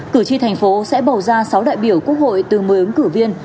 cử tri thành phố sẽ bầu ra sáu đại biểu quốc hội từ một mươi ứng cử viên